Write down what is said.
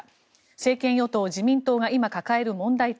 政権与党、自民党が今抱える問題点